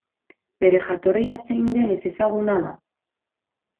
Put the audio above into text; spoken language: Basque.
Bere jatorria zein den ezezaguna da.